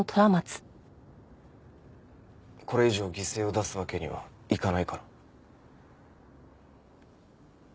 これ以上犠牲を出すわけにはいかないから。